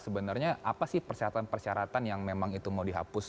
sebenarnya apa sih persyaratan persyaratan yang memang itu mau dihapus